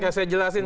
biar saya jelasin